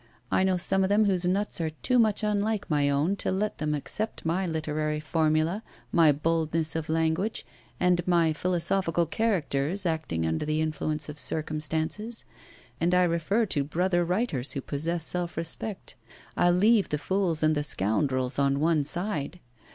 I know some of them whose nuts are too much unlike my own to let them accept my literary formula, my boldness of language, and my physiological characters acting under the influence of circumstances; and I refer to brother writers who possess self respect; I leave the fools and the scoundrels on one side.